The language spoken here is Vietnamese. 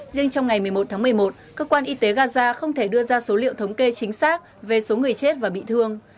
riêng trong ngày một mươi một tháng một mươi một cơ quan y tế gaza không thể đưa ra số liệu thống kê chính xác về số người chết và bị thương